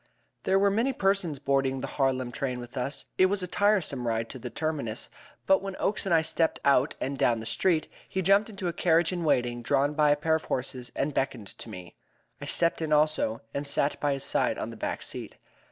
There were many persons boarding the Harlem train with us. It was a tiresome ride to the terminus, but when Oakes and I stepped out and down to the street, he jumped into a carriage in waiting, drawn by a pair of horses, and beckoned to me. I stepped in also, and sat by his side on the back seat.